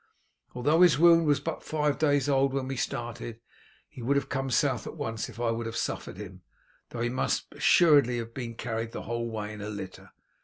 Although his wound was but five days' old when we started, he would have come south at once if I would have suffered him, though he must assuredly have been carried the whole way in a litter.